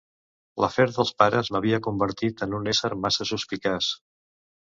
L'afer dels pares m'havia convertit en un ésser massa suspicaç.